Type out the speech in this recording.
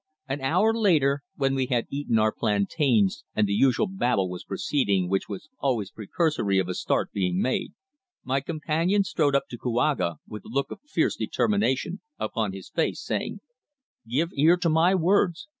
An hour later, when we had eaten our plantains and the usual babel was proceeding which was always precursory of a start being made, my companion strode up to Kouaga with a look of fierce determination upon his face, saying: "Give ear to my words.